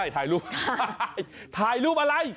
ถ่ายรูปถ่ายรูปอะไร